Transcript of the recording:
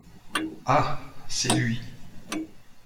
Ah ! c’est lui.